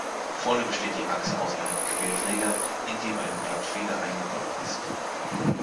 Vorne besteht die Achse aus einem Querträger, in den eine Blattfeder eingebaut ist.